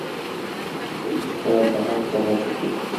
پولیس باید د حق په لټه کې وي.